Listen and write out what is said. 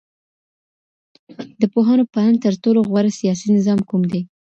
د پوهانو په اند تر ټولو غوره سياسي نظام کوم دی؟